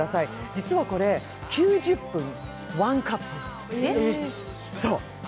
実はこれ、９０分ワンカット。